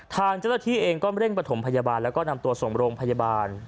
ทางเจ้าตะที่เองเร่งปฐมพยาบาลและนำตัวสมโรงพยาบาล